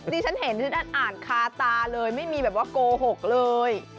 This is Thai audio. ฉันเห็นฉันอ่านคาตาเลยไม่มีแบบว่าโกหกเลย